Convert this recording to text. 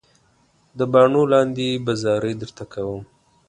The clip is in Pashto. د باڼو لاندې به زارۍ درته کوم.